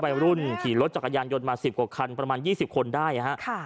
วัยรุ่นขี่รถจักรยานยนต์มา๑๐กว่าคันประมาณ๒๐คนได้นะฮะ